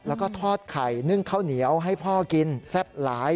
แล้วก็ทอดไข่นึ่งข้าวเหนียวให้พ่อกินแซ่บหลาย